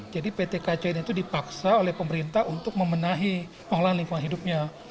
jadi pt kc ini itu dipaksa oleh pemerintah untuk memenahi pengelolaan lingkungan hidupnya